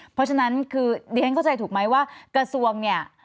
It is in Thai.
เพราะฉะนั้นคือเดนเข้าใจถูกไหมว่ากระทรวง